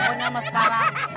aku nyaman sekarang